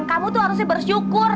kamu tuh harusnya bersyukur